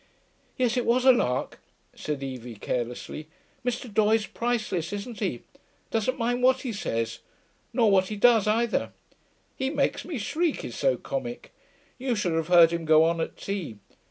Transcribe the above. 'Yes, it was a lark,' said Evie carelessly. 'Mr. Doye's priceless, isn't he? Doesn't mind what he says. Nor what he does, either. He makes me shriek, he's so comic. You should have heard him go on at tea.